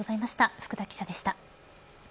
福田記者でした。